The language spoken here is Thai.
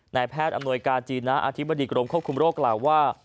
แพทย์อำนวยการจีนนะอธิบดีกรมควบคุมโรคกล่าวว่า